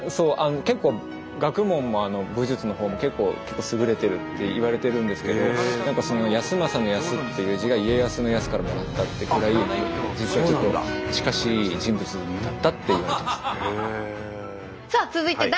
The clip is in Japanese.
結構学問も武術のほうも結構優れてるっていわれてるんですけど康政の「康」っていう字が家康の「康」からもらったっていうくらい実はちょっと近しい人物だったっていわれてます。